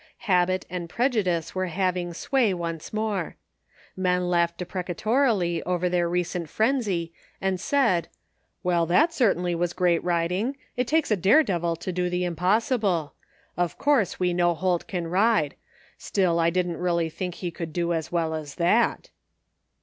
Habit and prejudice were having sway once more. Men laughed deprecatorily over their recent frenzy and said :" Well that certainly was great riding. It takes a dare devil to do the impossible. Of course, we know Holt can ride; still I didn't really think he could do as well as that.''